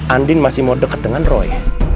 andin masih mau dekat dengan roy